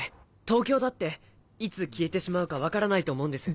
東京だっていつ消えてしまうか分からないと思うんです。